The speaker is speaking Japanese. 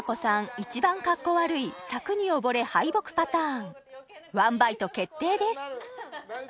一番格好悪い策に溺れ敗北パターンワンバイト決定です